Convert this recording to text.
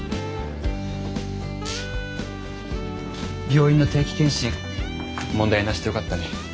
病院の定期健診問題なしでよかったね。